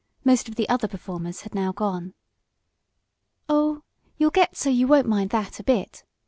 Most of the other performers had now gone. "Oh, you'll get so you won't mind that a bit!"